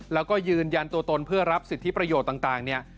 แล้วก็ยืนยันตัวตนเพื่อรับสิทธิประโยชน์ต่างเนี่ย